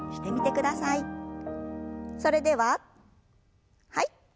それでははい。